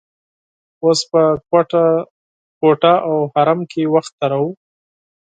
اوس په کوټه او حرم کې وخت تیروو.